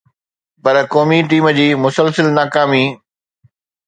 پر قومي ٽيم جي مسلسل ناڪامي